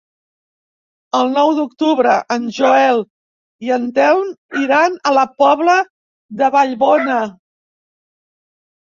El nou d'octubre en Joel i en Telm iran a la Pobla de Vallbona.